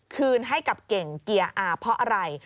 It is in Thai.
คืนให้กับเก่งเกียร์อาเพราะอะไร